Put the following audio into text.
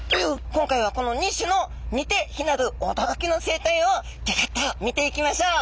今回はこの２種の似て非なるおどろきの生態をギョギョッと見ていきましょう！